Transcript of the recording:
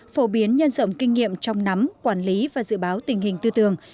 phổ biến nhân dọng kinh nghiệm trong nắm quản lý và dự báo tình hình tư tưởng